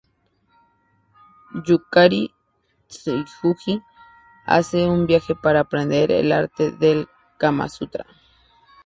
Yukari Tsuji hace un viaje para aprender el arte del Kama Sutra.